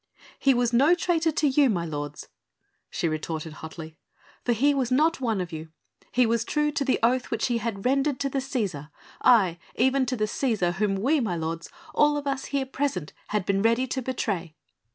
"He was no traitor to you, my lords," she retorted hotly, "for he was not one of you. He was true to the oath which he had rendered to the Cæsar; aye, even to the Cæsar whom we, my lords, all of us here present had been ready to betray."